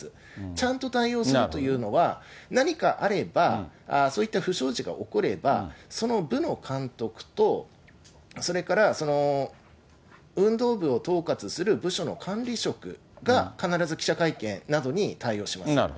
ちゃんと対応するというのは、何かあれば、そういった不祥事が起こればその部の監督と、それから運動部を統括する部署の管理職が必ず記者会見などに対応します。